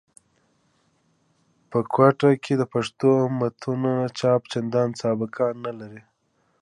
په کوټه کښي د پښتو متونو چاپ چندان سابقه نه لري.